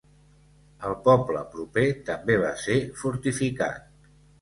El poble proper també va ser fortificat.